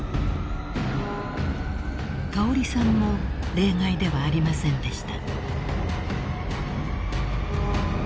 ［香織さんも例外ではありませんでした］